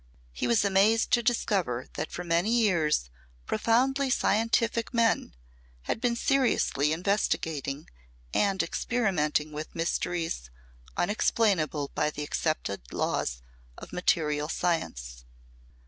He was amazed to discover that for many years profoundly scientific men had been seriously investigating and experimenting with mysteries unexplainable by the accepted laws of material science.